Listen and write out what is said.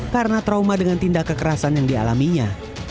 karena trauma dengan tindak kekerasan yang dialaminya